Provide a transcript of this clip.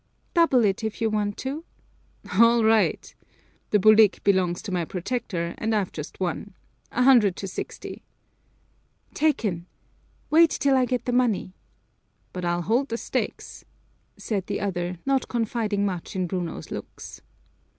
"Double it if you want to." "All right. The bulik belongs to my protector and I've just won. A hundred to sixty!" "Taken! Wait till I get the money." "But I'll hold the stakes," said the other, not confiding much in Bruno's looks.